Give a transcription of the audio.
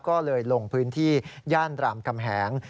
ก็เลยลงพื้นที่ย่านรามคำแหง